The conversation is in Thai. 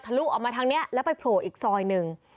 ลุออกมาทางนี้แล้วไปโผล่อีกซอยหนึ่ง